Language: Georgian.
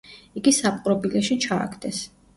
იგი საპყრობილეში ჩააგდეს.